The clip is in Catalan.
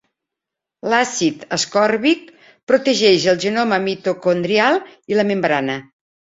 L'àcid ascòrbic protegeix el genoma mitocondrial i la membrana.